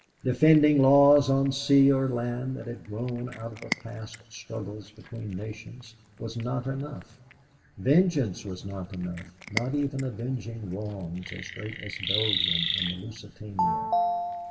Defending laws on sea or land that had grown out of past struggles between nations was not enough; vengeance was not enough, not even avenging wrongs as great as Belgium and the Lusitania.